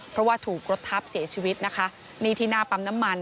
เพราะว่าถูกรถทับเสียชีวิตนะคะนี่ที่หน้าปั๊มน้ำมัน